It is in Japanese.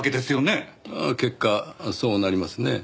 結果そうなりますねぇ。